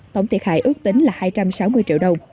tổng thiệt hại ước tính là hai trăm sáu mươi triệu đồng